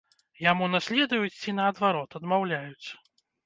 Яму наследуюць ці, наадварот, адмаўляюць?